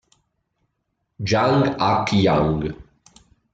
Jang Hak-young